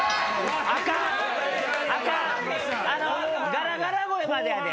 ガラガラ声までやで。